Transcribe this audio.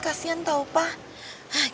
kasian tau pak